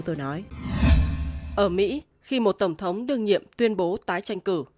ở mỹ khi một tổng thống đương nhiệm tuyên bố tái tranh cử